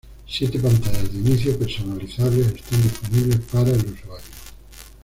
Siete pantallas de inicio personalizables están disponibles para el usuario.